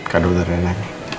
kado dari rena